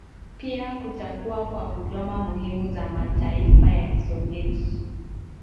pia kukatwa kwa huduma muhimu za mataifa ya kiSoviet